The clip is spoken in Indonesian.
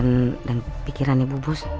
demi kesehatan dan pikiran ya bu bos